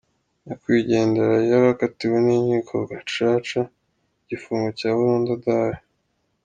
Nyakwigendera yari yarakatiwe n’inkiko gacaca igifungo cya burundu adahari.